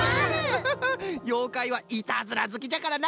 フフフようかいはいたずらずきじゃからな。